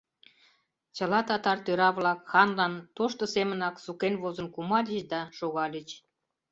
Чыла татар тӧра-влак ханлан тошто семынак сукен возын кумальыч да шогальыч.